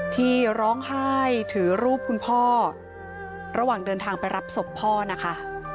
ที่ร้องไห้ถือรูปคุณพ่อระหว่างเดินทางไปรับศพพ่อนะคะ